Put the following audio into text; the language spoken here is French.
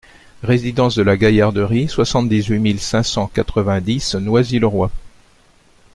Résidence de la Gaillarderie, soixante-dix-huit mille cinq cent quatre-vingt-dix Noisy-le-Roi